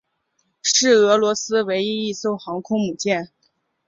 是俄罗斯唯一一艘航空母舰。